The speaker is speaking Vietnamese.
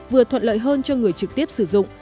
vừa thuận lợi hơn cho người trực tiếp sử dụng